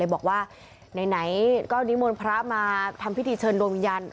บอกว่าไหนก็นิมนต์พระมาทำพิธีเชิญดวงวิญญาณ